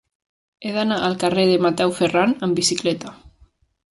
He d'anar al carrer de Mateu Ferran amb bicicleta.